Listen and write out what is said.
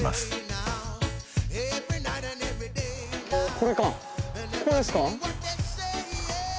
これかここですか？